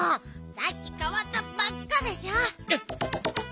さっきかわったばっかでしょ！